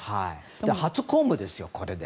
初公務ですよ、これで。